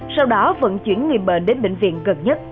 sau đó vận chuyển người bệnh đến bệnh viện gần nhất